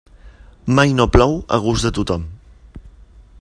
Mai no plou a gust de tothom.